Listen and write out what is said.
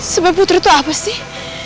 sebab putri itu apa sih